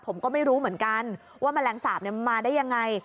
ผมก็ไม่รู้เหมือนกันว่าแมลงสาปมาได้ยังไง